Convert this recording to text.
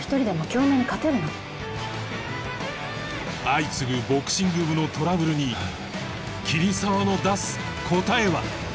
相次ぐボクシング部のトラブルに桐沢の出す答えは？